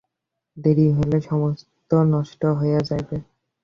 দেরি হইলে সমস্ত নষ্ট হইয়া যাইবে!